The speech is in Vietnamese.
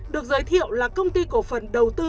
được giới thiệu là công ty cổ phần đầu tư